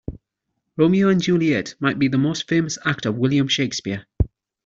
Romeo and Juliet might be the most famous act of William Shakespeare.